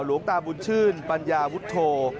หลวงตาบุญชื่นปัญญาวุฒโธ